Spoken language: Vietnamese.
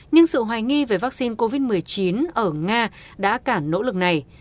nhưng sự hoài nghi về vaccine covid một mươi chín ở nga đã cả nỗ lực này